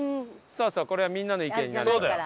そうそうこれはみんなの意見になるから。